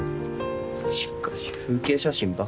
しかし風景写真ばっか。